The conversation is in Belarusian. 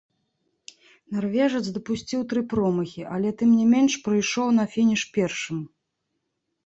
Нарвежац дапусціў тры промахі, але тым не менш прыйшоў на фініш першым.